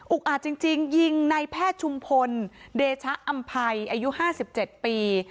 อาจจริงยิงในแพทย์ชุมพลเดชะอำภัยอายุ๕๗ปี